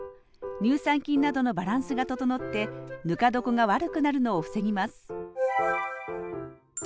乳酸菌などのバランスが整ってぬか床が悪くなるのを防ぎます